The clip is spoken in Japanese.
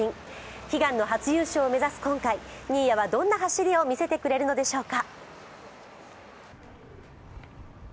悲願の初優勝を目指す今回、新谷はどんな走りを見せてくれるのでしょうか。